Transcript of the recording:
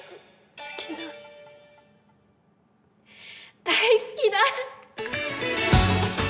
好きだ大好きだ！